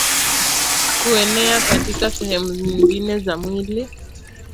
kuenea katika sehemu nyingine za mwili